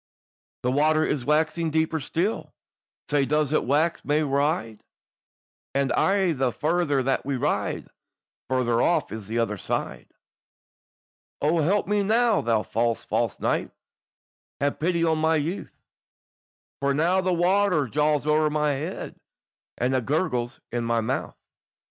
"The water is waxing deeper still, Sae does it wax mair wide; And aye the farther that we ride on, Farther off is the other side. "O help me now, thou false, false knight, Have pity on my youth, For now the water jawes owre my head, And it gurgles in my mouth."